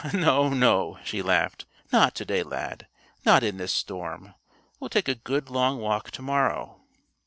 "No, no," she laughed. "Not to day, Lad. Not in this storm. We'll take a good, long walk to morrow."